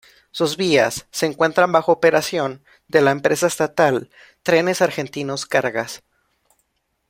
Sus vías se encuentran bajo operación de la empresa estatal Trenes Argentinos Cargas.